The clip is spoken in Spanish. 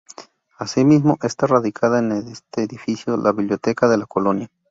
Asimismo está radicada en este edificio la biblioteca de La Colonia.